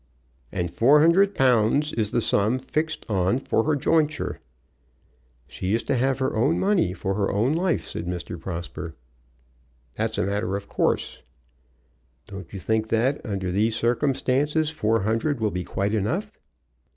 "And four hundred pounds is the sum fixed on for her jointure." "She is to have her own money for her own life," said Mr. Prosper. "That's a matter of course." "Don't you think that, under these circumstances, four hundred will be quite enough?"